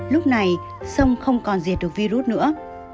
lúc này sông không còn diệt được virus nữa